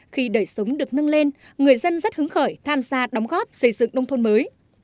khi đời sống được nâng lên người dân rất hứng khởi tham gia đóng góp xây dựng nông thôn mới